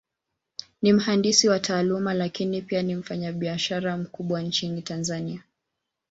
Ni mhandisi kwa Taaluma, Lakini pia ni mfanyabiashara mkubwa Nchini Tanzania.